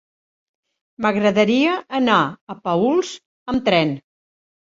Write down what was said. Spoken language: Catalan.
M'agradaria anar a Paüls amb tren.